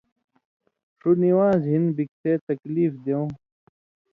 ݜُو نِوان٘ز ہِن بیکسے تکلیف دیوں